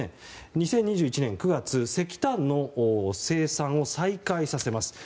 ２０２１年９月石炭の生産を再開させます。